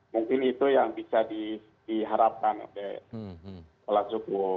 mungkin itu yang bisa diharapkan oleh suku